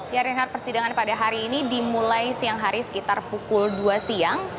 ya reinhard persidangan pada hari ini dimulai siang hari sekitar pukul dua siang